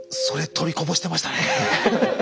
それ取りこぼしてましたね。